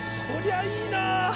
こりゃいいな！